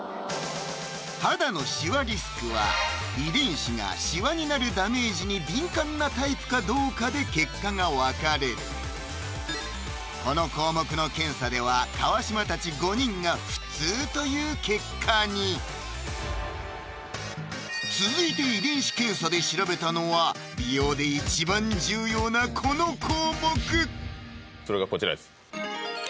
肌のシワリスクは遺伝子がシワになるダメージに敏感なタイプかどうかで結果が分かれるこの項目の検査では川島たち５人が普通という結果に続いて遺伝子検査で調べたのは美容で一番重要なこの項目それがこちらです